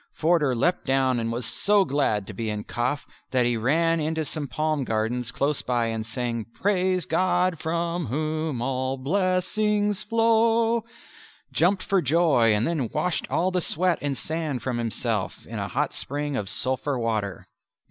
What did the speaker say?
Forder leapt down and was so glad to be in Kaf that he ran into some palm gardens close by and sang "Praise God from Whom all blessings flow," jumped for joy, and then washed all the sweat and sand from himself in a hot spring of sulphur water.